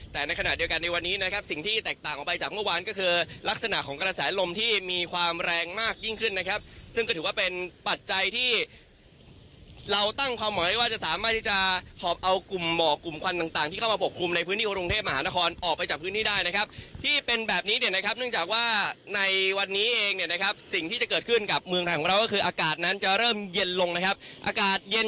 แต่ในขณะเดียวกันในวันนี้นะครับสิ่งที่แตกต่างออกไปจากเมื่อวานก็คือลักษณะของกระแสลมที่มีความแรงมากยิ่งขึ้นนะครับซึ่งก็ถือว่าเป็นปัจจัยที่เราตั้งความหมายว่าจะสามารถที่จะเอากลุ่มหมอกกลุ่มควันต่างที่เข้ามาปกคลุมในพื้นที่กรุงเทพมหานครออกไปจากพื้นที่ได้นะครับที่เป็นแบบนี้เนี่ยนะครับเ